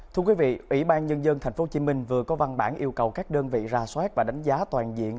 thưa quý vị ủy ban nhân dân tp hcm vừa có văn bản yêu cầu các đơn vị ra soát và đánh giá toàn diện